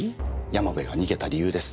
山部が逃げた理由です。